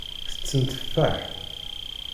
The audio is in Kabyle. Tetten tteffaḥ.